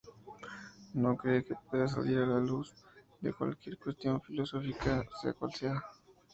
No cree que pueda salir la luz de cualquier cuestión filosófica, sea cual sea.